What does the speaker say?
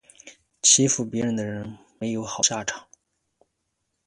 欺负别人的人没有好下场